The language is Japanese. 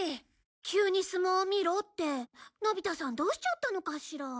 急に相撲を見ろってのび太さんどうしちゃったのかしら？